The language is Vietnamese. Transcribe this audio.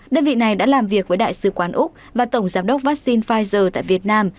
đơn vị này đã làm việc với đại sứ quán úc và tổng giám đốc vaccine pfizer tại việt nam